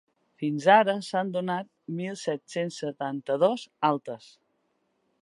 Fins ara s’han donat mil set-cents setanta-dos altes.